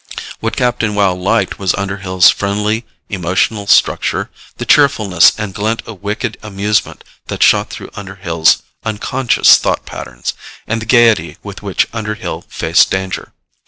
What Captain Wow liked was Underhill's friendly emotional structure, the cheerfulness and glint of wicked amusement that shot through Underhill's unconscious thought patterns, and the gaiety with which Underhill faced danger.